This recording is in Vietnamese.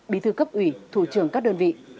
bí thư cấp ủy thủ trường các đơn vị